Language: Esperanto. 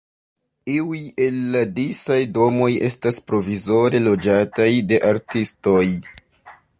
Iuj el la disaj domoj estas provizore loĝataj de artistoj.